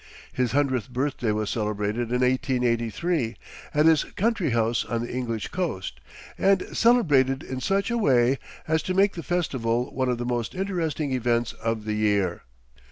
His hundredth birthday was celebrated in 1883 at his country house on the English coast, and celebrated in such a way as to make the festival one of the most interesting events of the year.